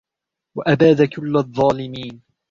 وأباد كل الظالمين